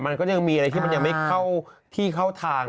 มันก็ยังมีอะไรที่มันยังไม่เข้าที่เข้าทาง